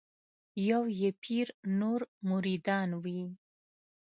یو یې پیر نور مریدان وي